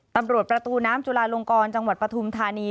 ประตูน้ำจุลาลงกรจังหวัดปฐุมธานี